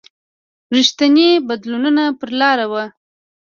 رښتیني بدلونونه پر لاره و.